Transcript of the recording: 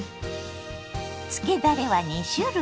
つけだれは２種類。